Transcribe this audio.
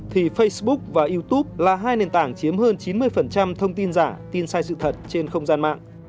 thì facebook và youtube là hai nền tảng chiếm hơn chín mươi thông tin giả tin sai sự thật trên không gian mạng